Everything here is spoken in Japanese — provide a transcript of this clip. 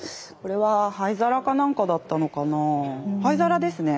灰皿ですね。